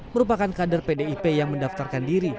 merupakan kader pdip yang mendaftarkan diri